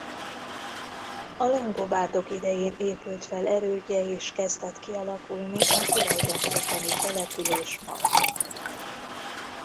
A longobárdok idején épült fel erődje és kezdett kialakulni a tulajdonképpeni település magja.